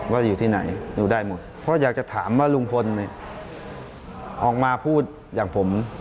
ว่าอยู่ที่ไหนอยู่ได้หมดเพราะอยากจะถามว่าลุงพลเนี่ยออกมาพูดอย่างผม